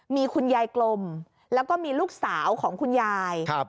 มีคุณยายกลมแล้วก็มีลูกสาวของคุณยาย